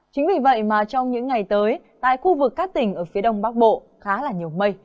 chính vì vậy mà trong những ngày tới tại khu vực các tỉnh ở phía đông bắc bộ khá là nhiều mây